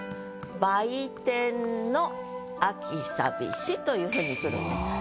「売店の秋さびし」という風にくるんです。